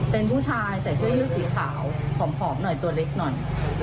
เป็นผู้ชายใส่เสื้อยืดสีขาวผอมหน่อยตัวเล็กหน่อย